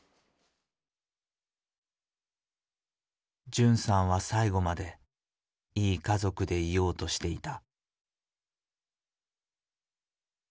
純さんは最後までいい家族でいようとしていた。